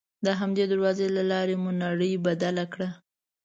د همدې دروازې له لارې مو نړۍ بدله کړه.